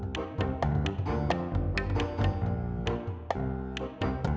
jangan sampai sebelum foto aquele ni